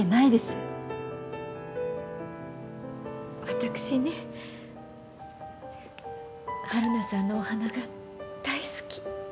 私ね春菜さんのお花が大好き。